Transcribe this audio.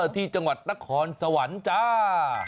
ที่จังหวัดนครสวรรค์จ้า